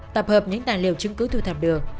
tập hợp những tài liệu chứng cứ thu thập được